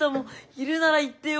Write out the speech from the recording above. いるなら言ってよ。